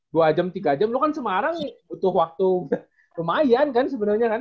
dua jam tiga jam lu kan semarang butuh waktu lumayan kan sebenarnya kan